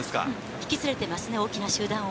引き連れてますね、大きな集団を。